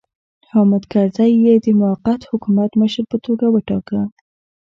حامد کرزی یې د موقت حکومت مشر په توګه وټاکه.